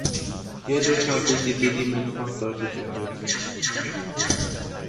Hierdurch hat sich die Sedimentfracht deutlich erhöht.